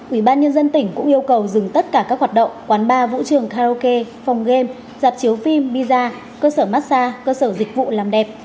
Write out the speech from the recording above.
ubnd tỉnh cũng yêu cầu dừng tất cả các hoạt động quán bar vũ trường karaoke phòng game giặt chiếu phim pizza cơ sở massage cơ sở dịch vụ làm đẹp